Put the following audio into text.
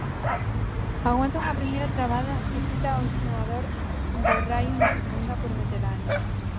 Aguanta unha primeira trabada e cita ao xogador do Raio na segunda por veteranía.